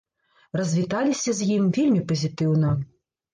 Развіталіся з ім вельмі пазітыўна.